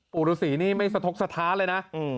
ปู่ฤษีนี่ไม่สะทกสถานเลยนะ